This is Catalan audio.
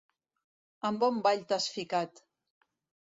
En bon ball t'has ficat!